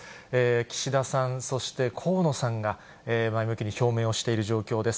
岸田さん、そして河野さんが前向きに表明をしている状況です。